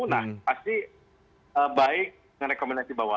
nah pasti baik merekomendasi bahwa